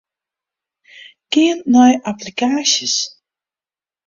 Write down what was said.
Gean nei applikaasjes.